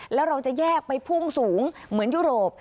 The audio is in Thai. แล้วเราจะแยกไปพุ่งสูงเหมือนยุโรป